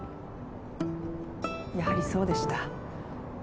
やはりそうでした。